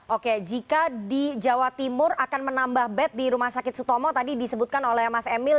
oke jika di jawa timur akan menambah bed di rumah sakit sutomo tadi disebutkan oleh mas emil